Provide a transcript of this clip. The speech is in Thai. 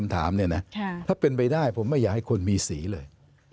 ถ้าเป็นไปได้ผมไม่อยากให้คนมีสีเลย